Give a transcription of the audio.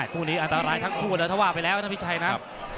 คู่นี้อันตรายทั้งคู่นะถ้าว่าไปแล้วนะพี่ชัยนะ